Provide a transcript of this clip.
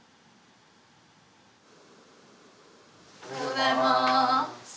おはようございます。